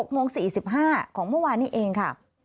โมง๔๕ของเมื่อวานนี้เองค่ะ